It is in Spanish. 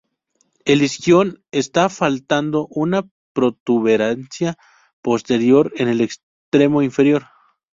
El isquion está faltando una protuberancia posterior en el extremo inferior.